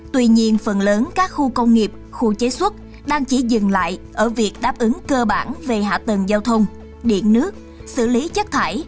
tuy nhiên phần lớn các khu công nghiệp khu chế xuất đang chỉ dừng lại ở việc đáp ứng cơ bản về hạ tầng giao thông điện nước xử lý chất thải